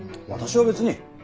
私は別に。